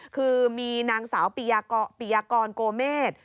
คือมีนางสาวปียากรโกเมษ